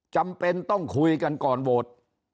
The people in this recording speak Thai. จำเป็นต้องคุยกันก่อนโหวต